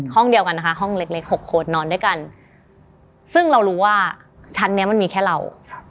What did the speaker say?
ห้องเดียวกันนะคะห้องเล็ก๖คนนอนด้วยกันซึ่งเรารู้ว่าชั้นนี้มันมีแค่เรา